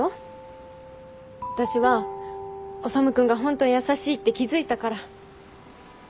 私は修君がホントは優しいって気付いたから。